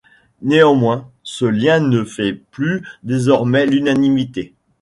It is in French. Néanmoins, ce liens ne fait plus désormais l'unanimité.